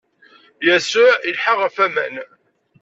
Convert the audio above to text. Yasuɛ ilḥa ɣef waman.